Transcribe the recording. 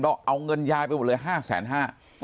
แล้วเอาเงินยายไปหมดเลย๕๕๐๐บาท